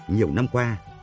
nhiều năm qua